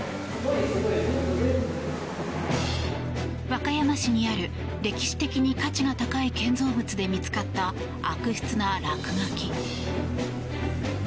和歌山市にある歴史的に価値が高い建造物で見つかった悪質な落書き。